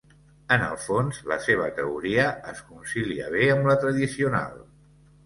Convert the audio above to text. En el fons la seva teoria es concilia bé amb la tradicional.